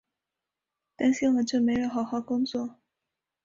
担心儿子有没有好好工作